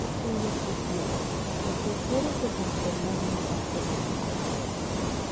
En el futuro, el Tesoro se transformó en un banco central.